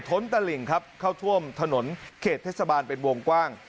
ทนตะหริงเข้าท่วมถนนเขตเทศบาลเป็นวงกว้าง